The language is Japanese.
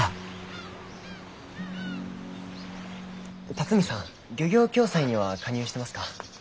龍己さん漁業共済には加入してますか？